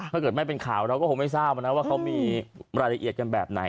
ถ้าเกิดไม่เป็นข่าวเราก็คงไม่ทราบนะว่าเขามีรายละเอียดกันแบบไหน